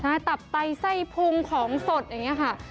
ใช่ตับไตไส้พุงของสดอย่างนี้ค่ะ